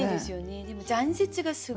でも「残雪」がすごく。